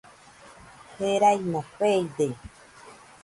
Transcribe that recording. Gereina feide